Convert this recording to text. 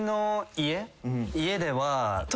家では。